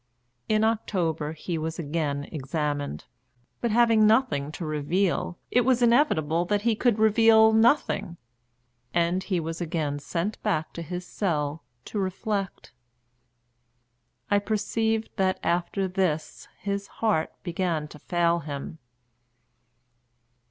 In October he was again examined; but, having nothing to reveal, it was inevitable that he could reveal nothing; and he was again sent back to his cell "to reflect." I perceived that after this his heart began to fail him.